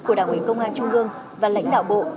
của đảng ủy công an trung ương và lãnh đạo bộ